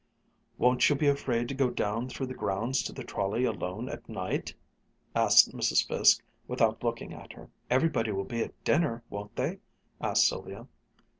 "Won't you be afraid to go down through the grounds to the trolley alone, at night?" asked Mrs. Fiske, without looking at her. "Everybody will be at dinner, won't they?" asked Sylvia.